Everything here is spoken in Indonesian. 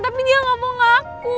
tapi dia gak mau ngaku